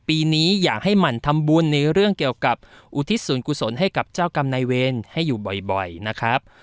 ปีนี้อยากให้หมั่นทำบุญในเรื่องเกี่ยวกับอุทิศส่วนกุศลให้กับเจ้ากรรมนายเวรให้อยู่บ่อยนะครับ